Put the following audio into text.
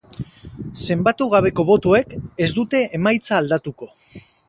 Zenbatu gabeko botoek ez dute emaitza aldatuko.